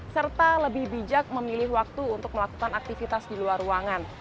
serta lebih bijak memilih waktu untuk melakukan aktivitas di luar ruangan